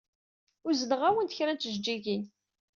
Uzneɣ-awen-d kra n tjeǧǧigin.